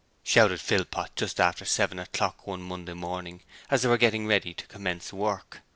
shouted Philpot, just after seven o'clock one Monday morning as they were getting ready to commence work.